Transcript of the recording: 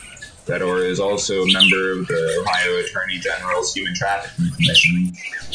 Fedor is also a member of the Ohio Attorney General's Human Trafficking Commission.